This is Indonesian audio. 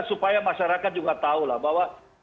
supaya masyarakat juga tahu lah bahwa